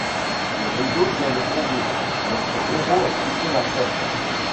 Le rideau vient de tomber, notre héros a quitté la scène.